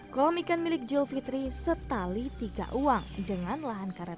kolam ikan milik jil fitri setali tiga uang dengan lahan karet ramadi